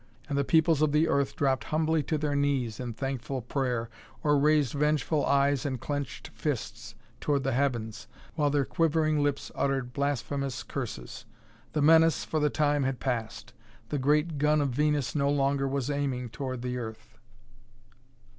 and the peoples of Earth dropped humbly to their knees in thankful prayer, or raised vengeful eyes and clenched fists toward the heavens while their quivering lips uttered blasphemous curses. The menace, for the time, had passed; the great gun of Venus no longer was aiming toward the earth.